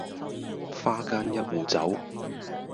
花間一壺酒，